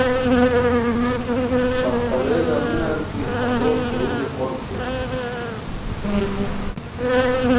پہتاوے لاڑیران کی ہتو پھوروڑی قون شینی